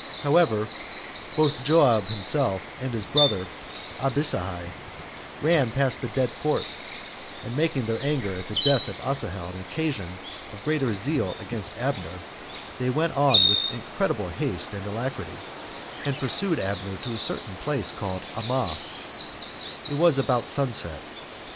However, both Joab 1 himself, and his brother Abishai, ran past the dead corpse, and making their anger at the death of Asahel an occasion of greater zeal against Abner, they went on with incredible haste and alacrity, and pursued Abner to a certain place called Ammah: it was about sun set.